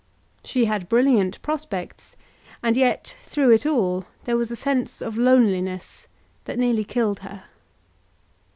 She had brilliant prospects; and yet, through it all, there was a sense of loneliness that nearly killed her.